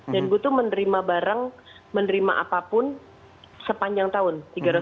dan gue tuh menerima barang menerima apapun sepanjang tahun